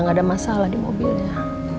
gak ada masalah di mobilnya